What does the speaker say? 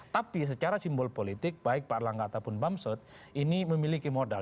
tapi secara simbol politik baik pak erlangga ataupun bamsud ini memiliki modal